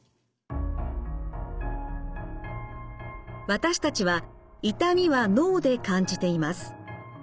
私たちは痛みは脳で感じています。